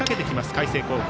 海星高校。